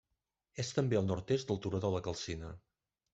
És també al nord-est del Turó de la Calcina.